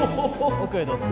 奥へどうぞ。